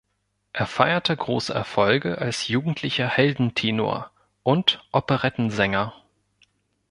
Er feierte große Erfolge als jugendlicher Heldentenor und Operettensänger.